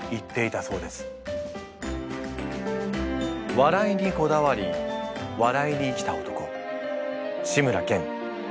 笑いにこだわり笑いに生きた男志村けん。